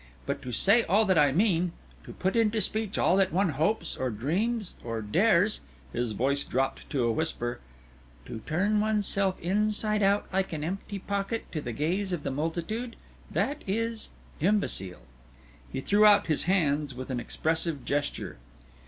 But to say all that I mean to put into speech all that one hopes or dreams or dares," his voice dropped to a whisper "to turn oneself inside out like an empty pocket to the gaze of the multitude that is imbecile." He threw out his hands with an expressive gesture.